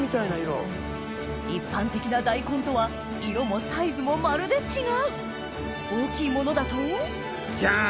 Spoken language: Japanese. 一般的な大根とは色もサイズもまるで違う大きいものだとジャン！